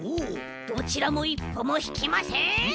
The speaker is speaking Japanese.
どちらもいっぽもひきません！